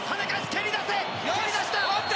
蹴り出した！